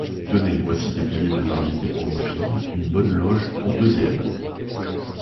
Tenez, voici des billets de Variétés pour vos filles, une bonne loge aux deuxièmes.